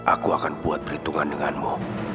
aku akan buat perhitungan denganmu